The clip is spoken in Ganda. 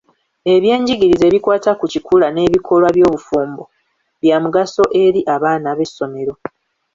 Ebyenjigiriza ebikwata ku kikula n'ebikolwa by'obufumbo bya mugaso eri abaana b'essomero.